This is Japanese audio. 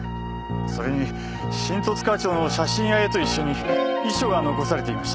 それに新十津川町の写真や絵と一緒に遺書が残されていました。